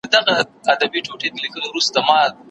د نوي کال او د بل کال خبري نه ختمېدې